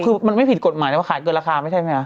คือมันไม่ผิดกฎหมายแต่ว่าขายเกินราคาไม่ใช่ไหมคะ